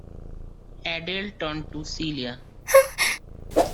Adele turned to Celia.